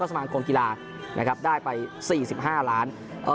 และสำหรับโครงกีฬาได้ไป๔๕ล้านบาท